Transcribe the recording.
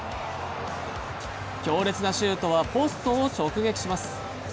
強烈なシュートはポストを直撃します。